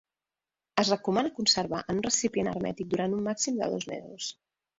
Es recomana conservar en un recipient hermètic durant un màxim de dos mesos.